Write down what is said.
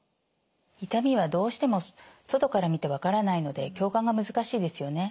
痛みはどうしても外から見て分からないので共感が難しいですよね。